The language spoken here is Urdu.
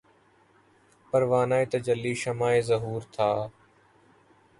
پروانۂ تجلی شمع ظہور تھا